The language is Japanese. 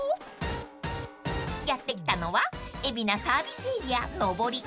［やって来たのは海老名サービスエリア上り］